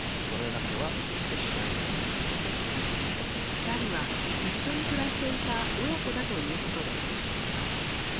２人は、一緒に暮らしていた親子だということです。